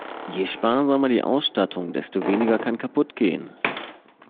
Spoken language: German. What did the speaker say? Je sparsamer die Ausstattung, desto weniger kann kaputt gehen.